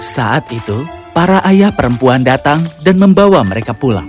saat itu para ayah perempuan datang dan membawa mereka pulang